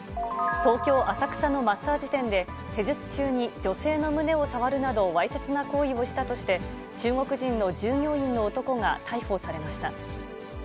東京・浅草のマッサージ店で、施術中に女性の胸を触るなどわいせつな行為をしたとして、中国人の従業員の男が逮捕されました。